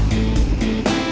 ya itu dia